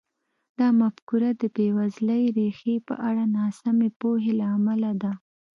دا مفکوره د بېوزلۍ ریښې په اړه ناسمې پوهې له امله ده.